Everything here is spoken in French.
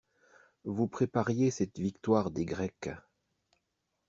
Vous prépariez cette victoire des Grecs.